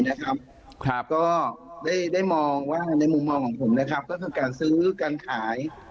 ก็ได้มองว่าในมุมมองของผมนะครับก็คือการซื้อการขาย